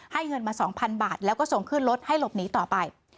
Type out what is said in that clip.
เงินมา๒๐๐๐บาทแล้วก็ส่งขึ้นรถให้หลบหนีต่อไป